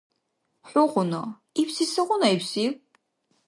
«ХӀугъуна» ибси сегъуна ибсив?